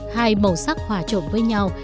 hai màu sắc hòa trộn với nhau